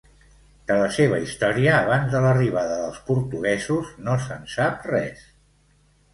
De la seva història abans de l'arribada dels portuguesos no se'n sap res.